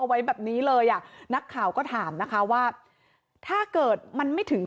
ไว้แบบนี้เลยอ่ะนักข่าวก็ถามนะคะว่าถ้าเกิดมันไม่ถึง